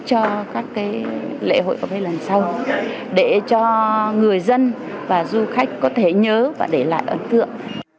cho các lễ hội cà phê lần sau để cho người dân và du khách có thể nhớ và để lại ấn tượng